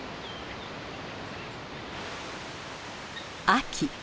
秋。